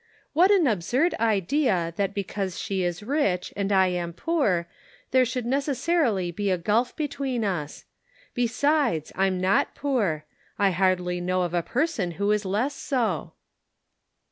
What an absurd idea that because she is rich and I am poor, there should necessarily be a gulf between us ! Besides, I'm not poor ; I hardly know of a person who is less so."